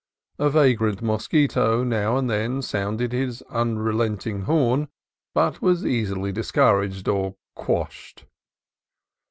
A vagrant mosquito now and then sounded his un relenting horn, but was easily discouraged or quashed.